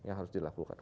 yang harus dilakukan